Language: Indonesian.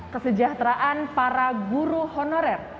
kesejahteraan para guru honorer